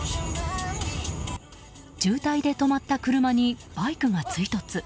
渋滞で止まった車にバイクが追突。